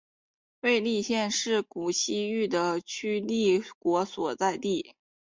尉犁县是古西域的渠犁国所在地。